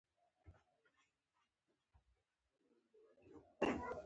د اکسیجن عنصر نصبول په یوه ماده باندې اکسیدیشن یادیږي.